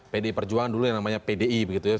pdi perjuangan dulu yang namanya pdi